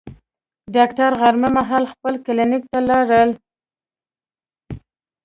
ډاکټر غرمه مهال خپل کلینیک ته لاړ.